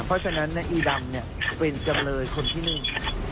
เพราะฉะนั้นอีดำเนี่ยเป็นจำเลยคนที่หนึ่ง